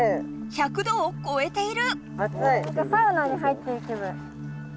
１００度をこえている！